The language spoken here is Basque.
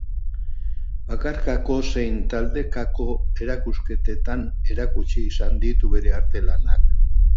Bakarkako zein taldekako erakusketetan erakutsi izan ditu bere artelanak.